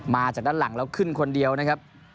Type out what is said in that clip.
มาจากด้านหลังแล้วขึ้นคนเดียวนะครับ